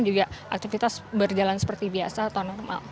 juga aktivitas berjalan seperti biasa atau normal